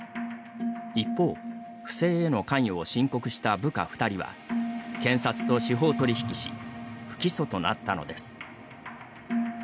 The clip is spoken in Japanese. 一方、不正への関与を申告した部下２人は、検察と司法取引し不起訴となったのです。